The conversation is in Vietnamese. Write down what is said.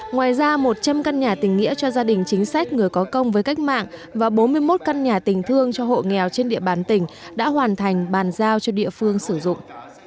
ngoài ra một trăm linh căn nhà tình nghĩa cho gia đình chính sách người có công với cách mạng và bốn mươi một căn nhà tình thương cho hộ nghèo trên địa bàn tỉnh đã hoàn thành bàn giao cho địa phương sử dụng